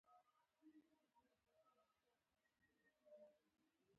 ميرويس نيکه منډه واخيسته.